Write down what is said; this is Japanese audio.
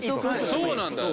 そうなんだ。